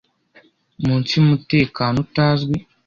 munsi yumutekano utazwi